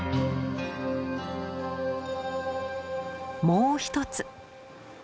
もう一つ。